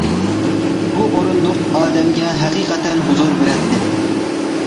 بۇ ئورۇندۇق ئادەمگە ھەقىقەتەن ھۇزۇر بېرەتتى.